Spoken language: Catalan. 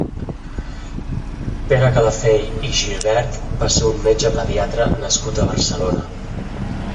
Pere Calafell i Gibert va ser un metge pediatre nascut a Barcelona.